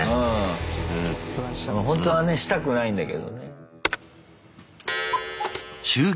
ほんとはねしたくないんだけどね。